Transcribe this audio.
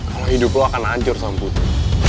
kalau hidup lo akan hancur sama putri